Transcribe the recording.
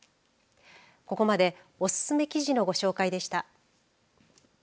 ここまでおすすめ記事のご紹介でした。